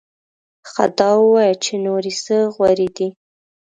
ښه دا ووایه چې نورې څه غورې دې؟